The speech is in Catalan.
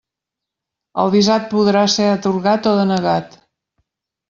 El visat podrà ser atorgat o denegat.